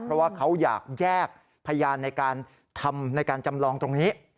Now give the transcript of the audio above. เพราะว่าเขาอยากแยกพยานในการทำในการจำลองตรงนี้